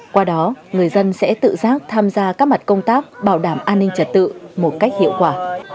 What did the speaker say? qua đó người dân sẽ tự giác tham gia các mặt công tác bảo đảm an ninh trật tự một cách hiệu quả